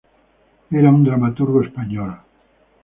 Era un dramaturgo español.